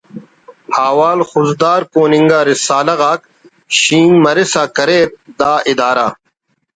احوال خضدار کون انگا رسالہ غاک شینک مرسا کریر دا ادارہ